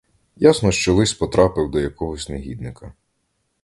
Ясно, що лист потрапив до якогось негідника.